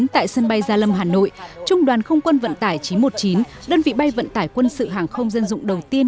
tại sân bay gia lâm hà nội trung đoàn không quân vận tải chín trăm một mươi chín đơn vị bay vận tải quân sự hàng không dân dụng đầu tiên